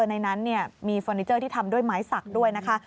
ในนั้นมีเฟอร์นิเจอร์ที่ทำด้วยไม้สักด้วยนะคะ